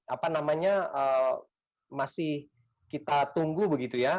apa namanya masih kita tunggu begitu ya